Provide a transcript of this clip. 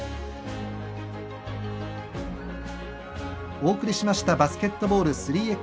お送りしましたバスケットボール３ｘ